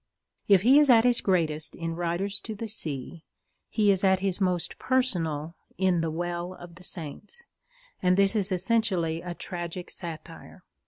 If he is at his greatest in Riders to the Sea, he is at his most personal in The Well of the Saints, and this is essentially a tragic satire.